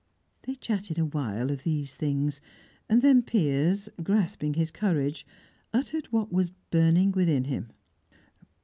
They chatted a while of these things. Then Piers, grasping his courage, uttered what was burning within him.